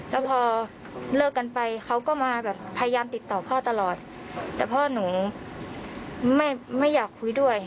แล้วพอเลิกกันไปเขาก็มาแบบพยายามติดต่อพ่อตลอดแต่พ่อหนูไม่ไม่อยากคุยด้วย